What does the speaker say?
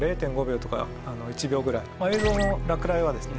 映像の落雷はですね